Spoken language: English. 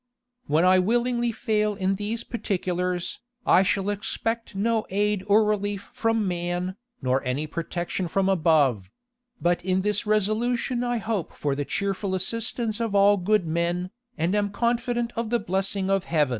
"When I willingly fail in these particulars, I shall expect no aid or relief from man, nor any protection from above: but in this resolution I hope for the cheerful assistance of all good men, and am confident of the blessing of Heaven."